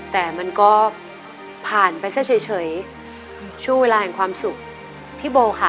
แต่มันก็ผ่านไปซะเฉยช่วงเวลาแห่งความสุขพี่โบค่ะ